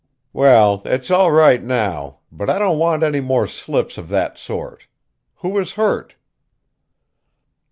"Well, it's all right now, but I don't want any more slips of that sort. Who was hurt?"